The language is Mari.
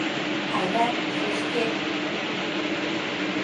Айда, шешке!